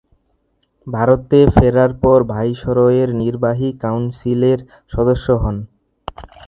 ভারতে ফেরার পর ভাইসরয়ের নির্বাহী কাউন্সিলের সদস্য হন।